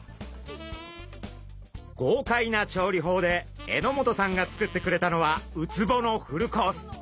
ごうかいな調理法で榎本さんが作ってくれたのはウツボのフルコース。